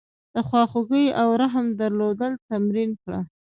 د خواخوږۍ او رحم درلودل تمرین کړه.